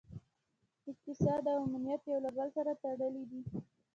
اقتصاد او امنیت یو له بل سره تړلي دي